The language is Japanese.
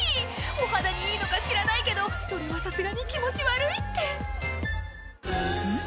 お肌にいいのか知らないけどそれはさすがに気持ち悪いってん？